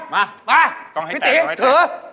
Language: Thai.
มาพี่ตีถือ